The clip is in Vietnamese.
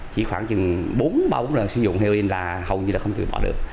chỉ khoảng chừng bốn ba bốn lần sử dụng heroin là hầu như là không thể bỏ được